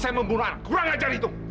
sebelum saya membunuh anak kurang ajar itu